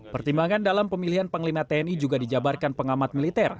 pertimbangan dalam pemilihan panglima tni juga dijabarkan pengamat militer